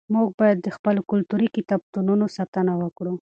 موږ باید د خپلو کلتوري کتابتونونو ساتنه وکړو.